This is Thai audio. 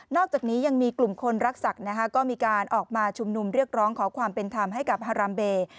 อกจากนี้ยังมีกลุ่มคนรักศักดิ์ก็มีการออกมาชุมนุมเรียกร้องขอความเป็นธรรมให้กับฮารามเบย์